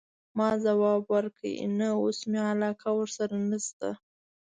ما ځواب ورکړ: نه، اوس مي علاقه ورسره نشته.